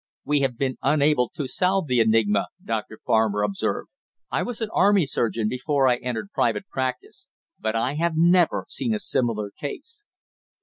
"We have been unable to solve the enigma," Dr. Farmer observed. "I was an army surgeon before I entered private practice, but I have never seen a similar case."